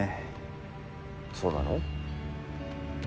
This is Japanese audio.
そうなの？